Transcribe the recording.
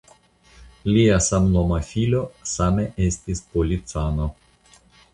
Lia samnoma filo same estis policano.